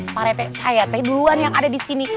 pak rtt saya teh duluan yang ada disini